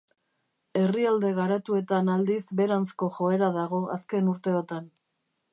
Herrialde garatuetan aldiz beheranzko joera dago azken urteotan.